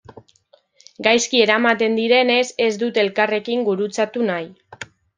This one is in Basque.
Gaizki eramaten direnez, ez dute elkarrekin gurutzatu nahi.